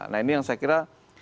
nah ini yang saya kira